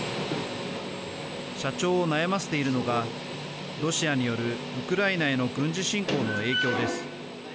社長を悩ませているのがロシアによるウクライナへの軍事侵攻の影響です。